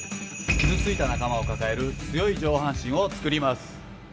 傷ついた仲間を抱える強い上半身を作ります。